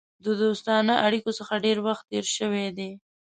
د دوستانه اړېکو څخه ډېر وخت تېر شوی دی.